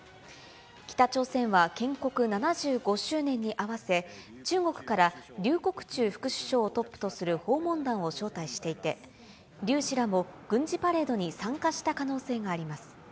北朝鮮は建国７５周年に合わせ、中国から劉国中副首相をトップとする訪問団を招待していて、劉氏らも軍事パレードに参加した可能性があります。